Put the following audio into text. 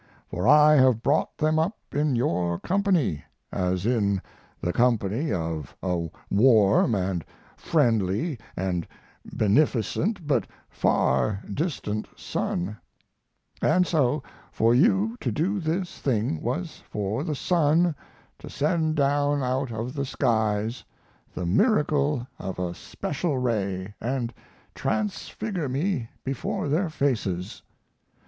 For I have brought them up in your company, as in the company of a warm and friendly and beneficent but far distant sun; and so, for you to do this thing was for the sun to send down out of the skies the miracle of a special ray and transfigure me before their faces.